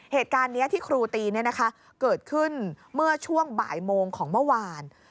เหตุการณ์นี้ที่ครูตีเกิดขึ้นเมื่อช่วงบ่ายโมงของเมื่อวาน